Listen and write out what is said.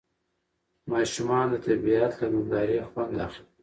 ماشومان د طبیعت له نندارې خوند اخلي